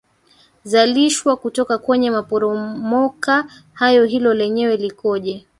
zalishwa kutoka kwenye maporomoka hayo hilo lenyewe likoje